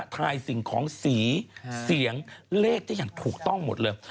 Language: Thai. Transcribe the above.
ถ่ายสิ่งของสีเสียงเลขได้อย่างถูกต้องหมดเลย